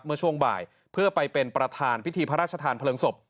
เมื่อช่วงบ่ายเพื่อไปเป็นประธานพิธีพระราชทานเพลิงศพ